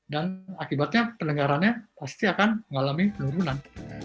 dan akibatnya pendengarannya pasti akan mengalami penurunan